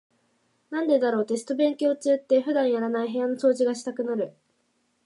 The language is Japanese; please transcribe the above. なんでだろう、テスト勉強中って普段やらない部屋の掃除がしたくなる。